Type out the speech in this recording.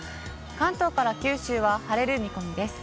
関東から九州は、晴れる見込みです。